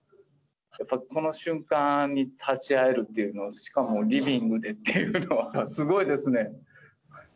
この瞬間に立ち会えるっていうのは、しかもリビングでっていうのはすごいですね。